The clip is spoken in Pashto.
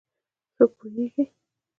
څوک پوهیږېي